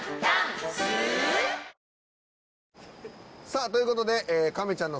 さぁということで。